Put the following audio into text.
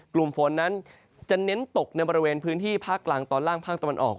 กลุ่มฝนนั้นจะเน้นตกในบริเวณพื้นที่ภาคกลางตอนล่างภาคตะวันออก